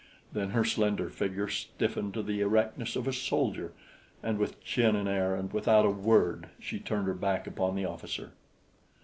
Then her slender figure stiffened to the erectness of a soldier, and with chin in air and without a word she turned her back upon the officer.